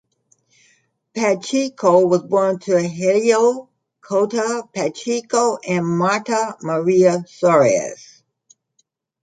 Pacheco was born to Helio Cota Pacheco and Marta Maria Soares.